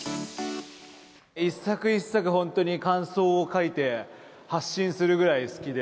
一作一作、本当に感想を書いて、発信するぐらい好きで。